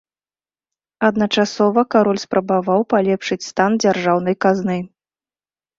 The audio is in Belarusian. Адначасова кароль спрабаваў палепшыць стан дзяржаўнай казны.